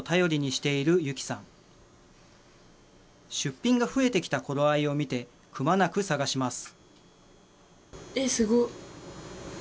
出品が増えてきた頃合いを見てくまなく探します